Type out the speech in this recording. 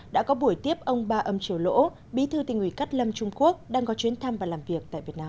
đã có buổi tiếp ông ba âm triều lỗ bí thư tỉnh ủy cát lâm trung quốc đang có chuyến thăm và làm việc tại việt nam